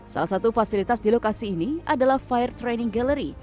salah satu fasilitas di lokasi ini adalah fire training gallery